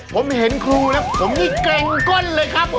ผมเห็นครูแล้วผมนี่เกร็งก้นเลยครับ